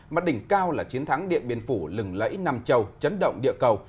mặt đỉnh cao là chiến thắng điện biên phủ lừng lẫy nam châu chấn động địa cầu